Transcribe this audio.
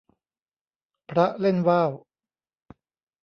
พระเล่นว่าว